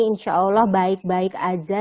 insyaallah baik baik aja